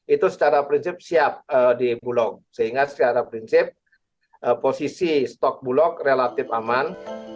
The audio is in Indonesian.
itu secara prinsip siap di bulog sehingga secara prinsip posisi stok bulog relatif aman